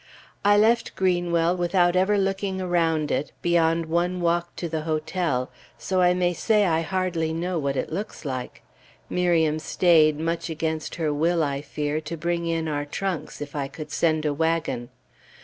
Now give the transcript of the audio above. I left Greenwell, without ever looking around it, beyond one walk to the hotel, so I may say I hardly know what it looks like. Miriam stayed, much against her will, I fear, to bring in our trunks, if I could send a wagon.